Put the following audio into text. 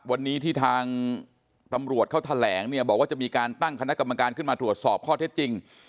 วันนี้ที่ทางตำรวจเขาแถลงเนี่ยบอกว่าจะมีการตั้งคณะกรรมการขึ้นมาตรวจสอบข้อเท็จจริง